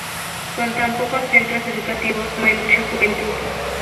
Con tan pocos centros educativos no hay mucha juventud.